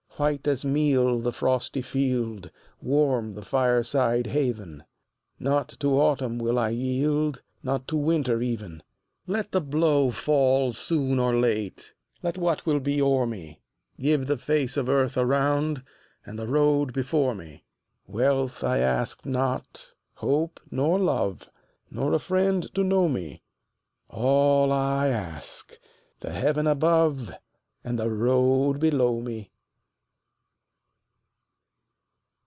White as meal the frosty field Warm the fireside haven Not to autumn will I yield, Not to winter even! Let the blow fall soon or late, Let what will be o'er me; Give the face of earth around, And the road before me. Wealth I ask not, hope nor love, Nor a friend to know me; All I ask, the heaven above And the road below me.